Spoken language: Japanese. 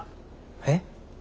えっ？